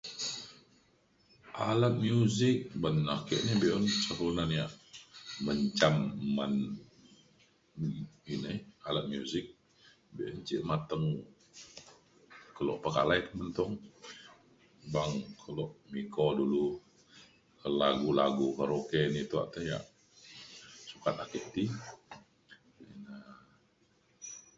alat muzik ban ake ni be’un ca kelunan yak menjam men inei alat muzik. be’un ce mateng kelo pekalai pementung beng kulo miko dulu lagu lagu karaoke ni tuak. tuak te yak sukat ake ti